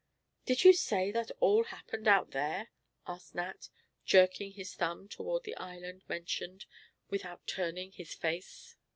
"Did you say that all happened out there?" asked Nat, jerking his thumb toward the island mentioned, without turning his face.